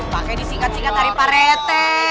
pakai disingkat singkat dari pak rete